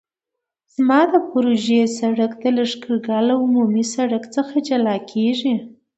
زما د پروژې سرک د لښکرګاه له عمومي سرک څخه جلا کیږي